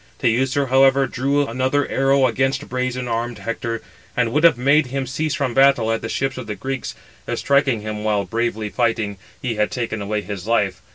Teucer, however, drew another arrow against brazen armed Hector, and would have made him cease from battle, at the ships of the Greeks, if striking him while bravely fighting, he had taken away his life.